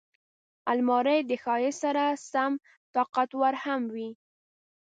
الماري د ښایست سره سم طاقتور هم وي